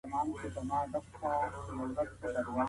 په کورنۍ پوهه کي ماشوم ته په سپکه نه کتل کېږي.